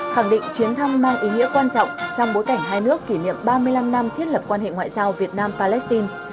khẳng định chuyến thăm mang ý nghĩa quan trọng trong bối cảnh hai nước kỷ niệm ba mươi năm năm thiết lập quan hệ ngoại giao việt nam palestine